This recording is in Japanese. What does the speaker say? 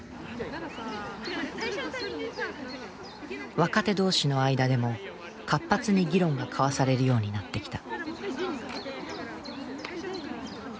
若手同士の間でも活発に議論が交わされるようになってきた。